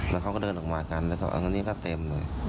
แล้วเขาก็เดินออกมากันแล้วก็อันนี้ก็เต็มเลย